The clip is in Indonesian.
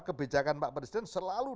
kebijakan pak presiden selalu